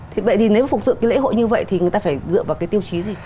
thì vậy thì nếu phục dựng cái lễ hội như vậy thì người ta phải dựa vào cái tiêu chí gì